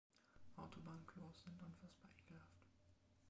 Autobahnklos sind unfassbar ekelhaft.